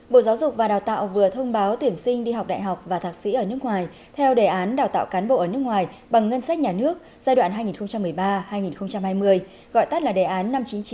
bộ giáo dục và đào tạo vừa thông báo tuyển sinh đi học đại học và thạc sĩ ở nước ngoài theo đề án đào tạo cán bộ ở nước ngoài bằng ngân sách nhà nước giai đoạn hai nghìn một mươi ba hai nghìn hai mươi gọi tắt là đề án năm chín trăm chín mươi năm